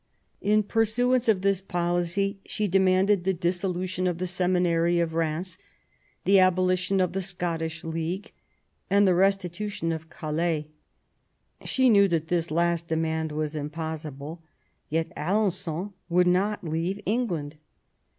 In pur suance of this policy she demanded the dissolution of the Seminary of Rheims, the abolition of the Scottish League, and the restitution of Calais. She knew that this last demand was impossible ; yet Alen9on would not leave England.